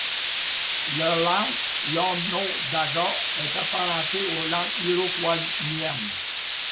Leur langue, l'onondaga est apparentée aux langues iroquoiennes.